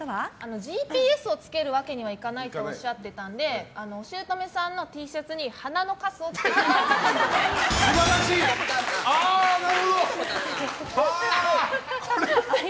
ＧＰＳをつけるわけにはいかないとおっしゃっていたのでお姑さんのＴシャツに鼻のカスをつける。